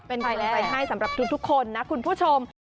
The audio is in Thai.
เป็นกำลังใจให้สำหรับทุกคนนะคุณผู้ชม